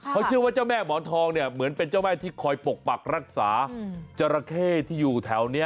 เขาเชื่อว่าเจ้าแม่หมอนทองเนี่ยเหมือนเป็นเจ้าแม่ที่คอยปกปักรักษาจราเข้ที่อยู่แถวนี้